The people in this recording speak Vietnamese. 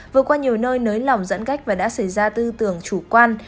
vừa qua nhiều nơi nới lỏng giãn cách và đã xảy ra tư tưởng chủ quan